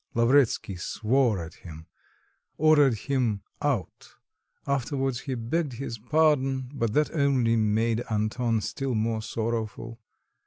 Lavretsky swore at him; ordered him out; afterwards he begged his pardon, but that only made Anton still more sorrowful.